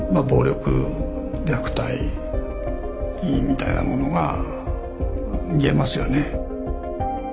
みたいなものが見えますよね。